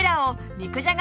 肉じゃが。